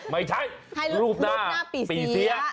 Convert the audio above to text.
ไม่ใช่รูปหน้าสี่เสีย